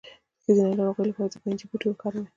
د ښځینه ناروغیو لپاره د پنجې بوټی وکاروئ